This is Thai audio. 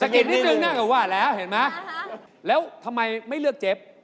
กินนิดนึงนะก็ว่าแล้วเห็นไหมแล้วทำไมไม่เลือกเจ๊